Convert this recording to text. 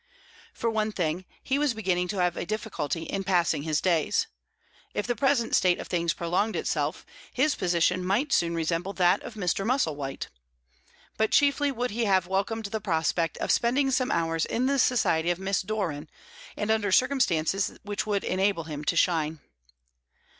For one thing, he was beginning to have a difficulty in passing his days; if the present state of things prolonged itself, his position might soon resemble that of Mr. Musselwhite. But chiefly would he have welcomed the prospect of spending some hours in the society of Miss Doran, and under circumstances which would enable him to shine.